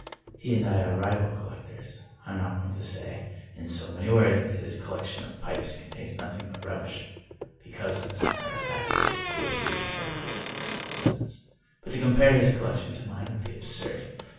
He and I are rival collectors. I am not going to say, in so many words, that his collection of pipes contains nothing but rubbish, because, as a matter of fact, he has two or three rather decent specimens. But to compare his collection 'to mine would be absurd.